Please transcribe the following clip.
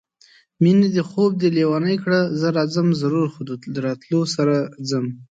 مېنې دې خوب دې لېونی کړه زه راځم ضرور خو د راتلو سره ځم